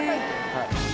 はい。